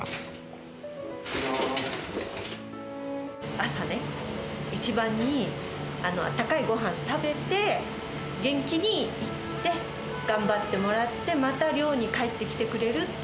朝ね、一番にあったかいごはん食べて、元気に行って、頑張ってもらって、また寮に帰ってきてくれるって。